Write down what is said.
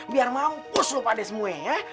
biar mampus lu pada semua ya